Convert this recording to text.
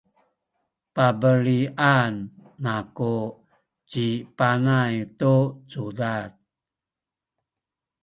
pabelian aku ci Panay tu cudad.